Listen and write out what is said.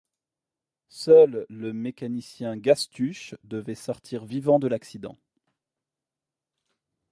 Seul le mécanicien Gastuche devait sortir vivant de l’accident.